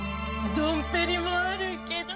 ドンペリもあるけど。